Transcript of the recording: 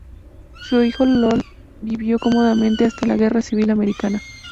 Su hijo Ion vivió cómodamente hasta la guerra civil americana.